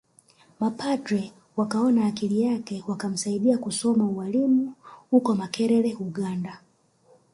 Mapadre wakaona akili yake wakamsaidia kusoma ualimu uko makerere ugand